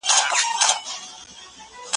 هره شپه به مي کتاب درسره مل وي